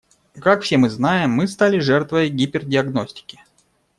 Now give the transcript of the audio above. Как все мы знаем, мы стали жертвой гипердиагностики.